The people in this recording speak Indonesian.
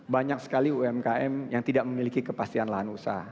banyak sekali umkm yang tidak memiliki kepastian lahan usaha